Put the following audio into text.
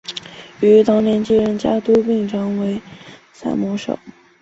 于同年继任家督并成为萨摩守。